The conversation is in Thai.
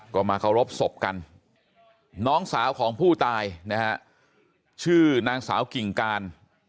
ก็มาเคารพศพกันน้องสาวของผู้ตายนะฮะชื่อนางสาวกิ่งการ